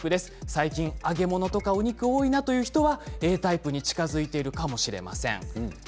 最近、揚げ物とかお肉、多いなっていう人はＡタイプに近づいているかもしれません。